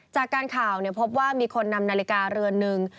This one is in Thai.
จากการข่าวพบว่ามีคนนำนาฬิกาเรือนหนึ่ง